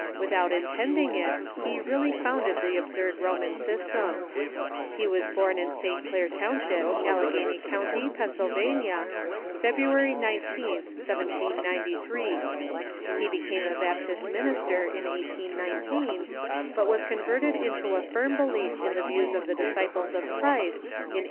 Without intending it, he really founded the absurd Mormon system. He was born in St. Clair township, Allegheny County, Pennsylvania, February 19th, 1793. He became a Baptist minister in 1819, but was converted into a firm be lief in the views of the Disciples of Christ in 1821.